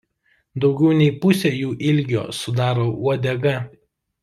Daugiau nei pusę jų ilgio sudaro uodega.